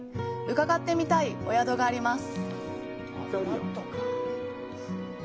伺ってみたいお宿があります。